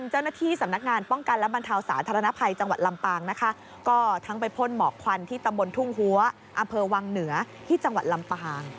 หัวอำเภอวังเหนือที่จังหวัดลำปาง